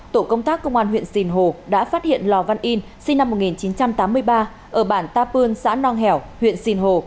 tổ công tác công an huyện sìn hồ đã phát hiện lò văn in sinh năm một nghìn chín trăm tám mươi ba ở bản ta pương xã nong hèo huyện sìn hồ